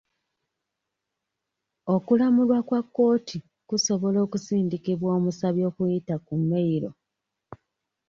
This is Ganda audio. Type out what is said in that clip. Okulamulwa kwa kkooti kusobola okusindikibwa omusabi okuyita ku meyiro.